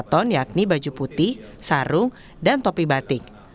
pada tahun ini pangeran menggunakan pakaian khaskrat